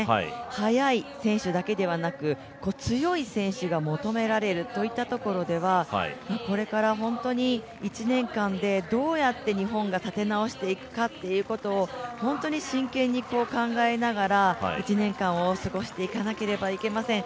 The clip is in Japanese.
速い選手だけではなく、強い選手が求められるといったところではこれから本当に１年間でどうやって日本が立て直していくかっていうことを、本当に真剣に考えながら、１年間を過ごしていかなければいけません。